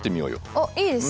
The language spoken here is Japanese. おっいいですね。